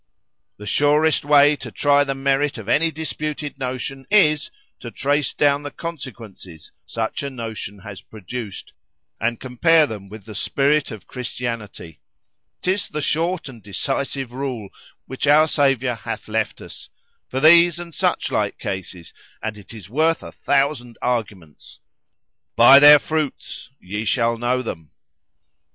] "The surest way to try the merit of "any disputed notion is, to trace down the consequences such a notion has produced, and compare them with the spirit of Christianity;——'tis the short and decisive rule which our Saviour hath left us, for these and such like cases, and it is worth a thousand arguments——_By their fruits ye shall know them.